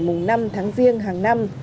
mùng năm tháng riêng hàng năm